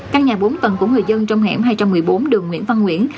căn nhà bốn tầng của người dân trong hẻm hai trăm một mươi bốn đường nguyễn văn nguyễn